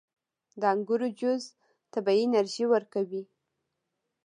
• د انګورو جوس طبیعي انرژي ورکوي.